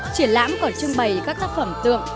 triển lãm còn trưng bày các tác phẩm tượng